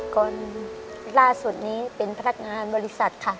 คนล่าสุดนี้เป็นพนักงานบริษัทค่ะ